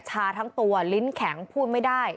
ชาทั้งตัวลิ้นแข็งพูดไม่ได้